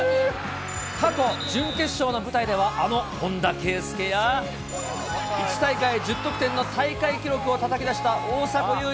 過去、準決勝の舞台では、あの本田圭佑や、１大会１０得点の大会記録をたたき出した大迫勇也。